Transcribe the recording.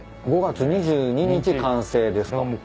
５月２２日完成ですか。